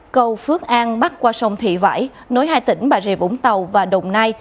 cầu phước an bắt qua sông thị vãi nối hai tỉnh bà rịa vũng tàu và đồng nai